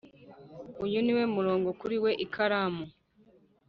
uyu niwo murongo kuri we i ikaramu,